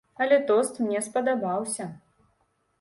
Але тост мне спадабаўся.